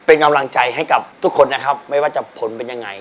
เป็นกำลังใจให้กับทุกคนนะครับไม่ว่าจะผลเป็นยังไง